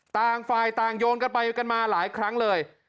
ต่างฝ่ายต่างโยนกันไปกันมาหลายครั้งเลย